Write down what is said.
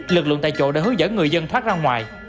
lực lượng tại chỗ đã hướng dẫn người dân thoát ra ngoài